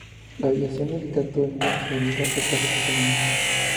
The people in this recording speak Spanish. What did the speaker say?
La aviación militar de todo el mundo se dirige a atacar a los alienígenas.